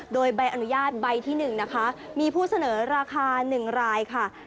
โดยใบอนุญาตใบที่๑นะคะมีผู้เสนอราคา๑รายค่ะ